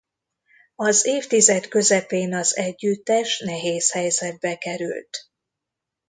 Az évtized közepén az együttes nehéz helyzetbe került.